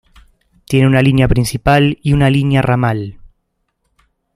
Tiene una línea principal y una línea ramal.